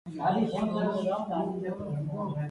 او تري ري ڪوشش ڪر رو ڇي۔